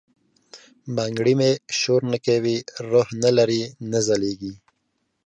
بنګړي مي شورنه کوي، روح نه لری، نه ځلیږي